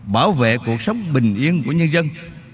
bảo vệ cuộc sống bình yên của nhân dân